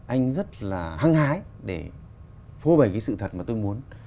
anh rất là hăng hái để phô bầy cái sự thật mà tôi muốn